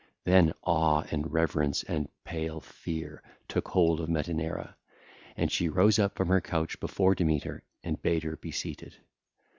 Then awe and reverence and pale fear took hold of Metaneira, and she rose up from her couch before Demeter, and bade her be seated.